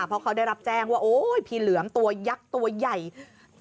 เพราะเขาได้รับแจ้งว่าโอ้ยผีเหลือมตัวยักษ์ตัวใหญ่